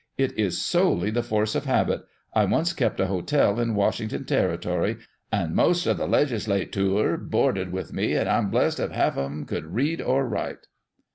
It is solely the force of habit. I once kept a ho tel in Washington territory, and most of the legislatoor boarded with me, and I'm blessed if half o' them could read or write